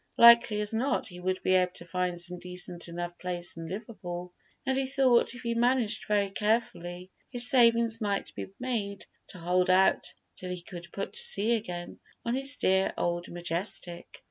Likely as not he would be able to find some decent enough place in Liverpool, and he thought, if he managed very carefully, his savings might be made to hold out till he could put to sea again on his dear old Majestic.